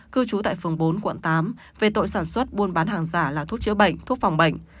cư trú tại phường bốn quận tám về tội sản xuất buôn bán hàng giả là thuốc chữa bệnh thuốc phòng bệnh